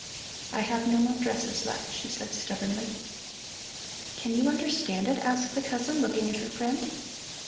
"I have no more dresses left," she said stubbornly. "Can you understand it?" asked the cousin, looking at her friend.